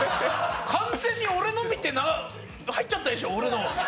完全に俺の見て入っちゃったでしょ。